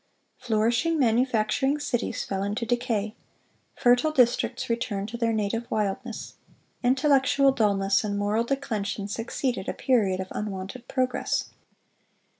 Flourishing manufacturing cities fell into decay; fertile districts returned to their native wildness; intellectual dulness and moral declension succeeded a period of unwonted progress.